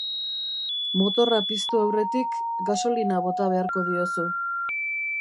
Motorra piztu aurretik gasolina bota beharko diozu.